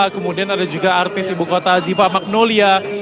kemudian ada juga artis ibukota ziva magnolia